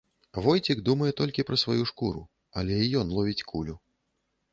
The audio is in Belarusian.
Войцік думае толькі пра сваю шкуру, але і ён ловіць кулю.